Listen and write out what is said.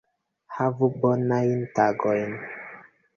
Havu bonajn tagojn!